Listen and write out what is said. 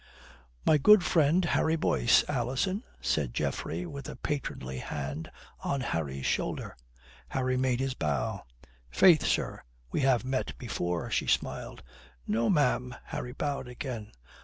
"My good friend, Harry Boyce, Alison," said Geoffrey with a patronly hand on Harry's shoulder. Harry made his bow. "Faith, sir, we have met before," she smiled. "No, ma'am," Harry bowed again.